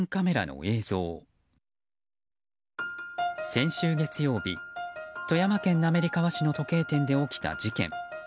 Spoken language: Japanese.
先週月曜日、富山県滑川市の時計店で起きた事件。